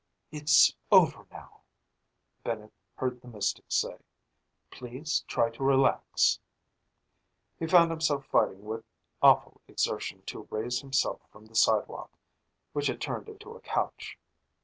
"It's over now," Bennett heard the mystic say. "Please try to relax." He found himself fighting with awful exertion to raise himself from the sidewalk which had turned into a couch.